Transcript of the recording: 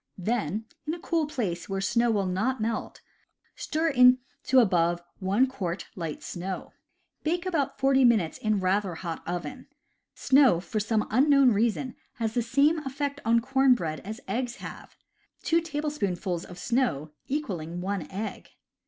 Then, in a cool place where snow will not melt, stir into above one quart light snow. Bake about forty minutes in rather hot oven. Snow, for some unknown reason, has the same effect on corn bread as eggs have, two tablespoonfuls of snow equaling one egg.